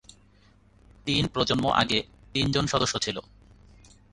তিন প্রজন্ম আগে তিনজন সদস্য ছিল।